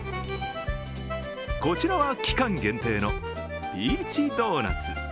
こちらは期間限定のピーチドーナツ。